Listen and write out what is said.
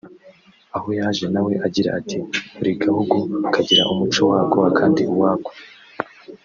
aho yaje na we agira ati ”Buri gahugu kagira umuco wako akandi uwako